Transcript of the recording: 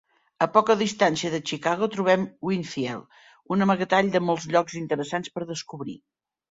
A poca distància de Chicago trobem Winfield, un amagatall de molts llocs interessants per descobrir.